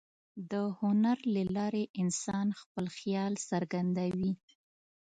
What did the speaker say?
د هنر له لارې انسان خپل خیال څرګندوي.